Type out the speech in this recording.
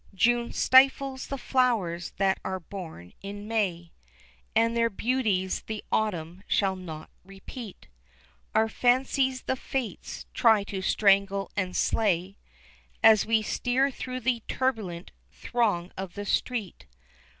June stifles the flowers that are born in May, And their beauties the autumn shall not repeat; Our fancies the Fates try to strangle and slay As we steer through the turbulent throng of the street.